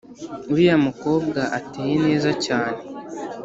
uriya mukobwa ateye neza cyane